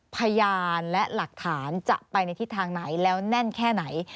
พยานและหลักฐานจะไปในทิศทางไหนแล้วแน่นแค่ไหน